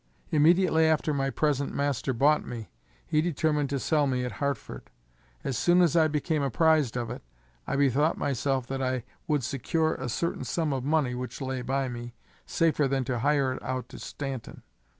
Immediately after my present master bought me, he determined to sell me at Hartford. As soon as I became apprized of it, I bethought myself that I would secure a certain sum of money which lay by me, safer than to hire it out to Stanton.